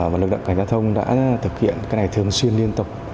lực lượng cảnh sát giao thông đã thực hiện cái này thường xuyên liên tục